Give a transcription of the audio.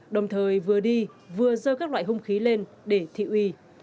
đồng thời vừa đi vừa dơ các loại hung khí lên để thị uy